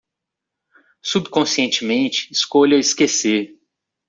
Subconscientemente escolha esquecer